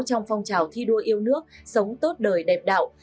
trong phong trào thi đua yêu nước sống tốt đời đẹp đạo